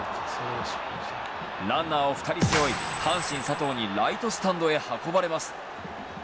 ランナーを２人背負い阪神・佐藤にライトスタンドへ運ばれます。